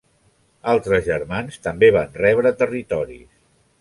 Altres germans també van rebre territoris.